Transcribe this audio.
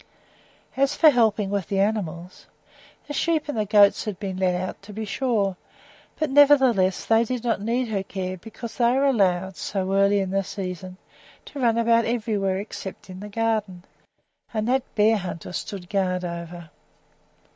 As for helping with the animals, the sheep and the goats had been let out, to be sure, but nevertheless they did not need her care because they were allowed, so early in the season, to run about everywhere except in the garden, and that Bearhunter stood guard over.